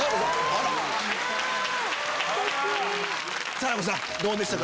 紗代子さんどうでしたか？